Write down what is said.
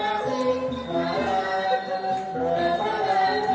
การทีลงเพลงสะดวกเพื่อความชุมภูมิของชาวไทย